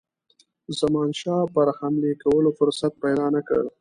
زمانشاه پر حملې کولو فرصت پیدا نه کړي.